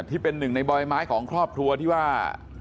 ที่เป็นหนึ่งในบอยไม้ของครอบครัวที่ว่า